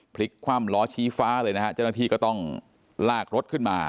พลิกคว่ำล้อชี้ฟ้าเลยนะฮะเจ้าหน้าที่ก็ต้องลากรถขึ้นมา